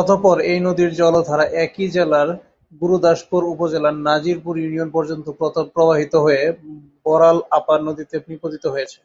অতঃপর এই নদীর জলধারা একই জেলার গুরুদাসপুর উপজেলার নাজিরপুর ইউনিয়ন পর্যন্ত প্রবাহিত হয়ে বড়াল আপার নদীতে নিপতিত হয়েছে।